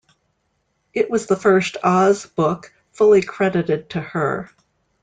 It was the first Oz book fully credited to her.